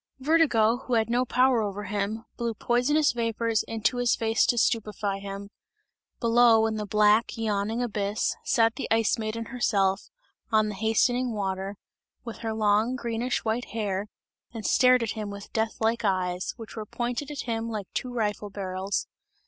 Vertigo, who had no power over him, blew poisonous vapours into his face to stupify him; below in the black, yawning abyss, sat the Ice Maiden herself, on the hastening water, with her long greenish white hair and stared at him with death like eyes, which were pointed at him like two rifle barrels.